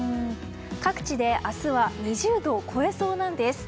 各地で明日は２０度を超えそうなんです。